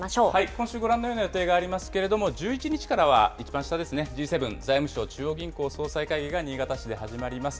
今週ご覧のような予定がありますけれども、１１日からは一番下ですね、Ｇ７財務相・中央銀行総裁会議が新潟市で始まります。